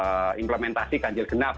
namanya implementasi ganjil genap